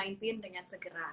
covid sembilan belas dengan segera